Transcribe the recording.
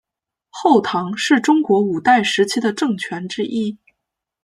后唐是中国五代时期的政权之一。